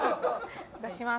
出します。